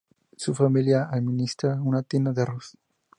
Su familia administra una tienda de arroz.